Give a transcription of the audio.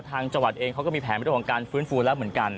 จังหวัดเองเขาก็มีแผนเรื่องของการฟื้นฟูแล้วเหมือนกัน